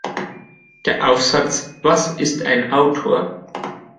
Der Aufsatz "Was ist ein Autor?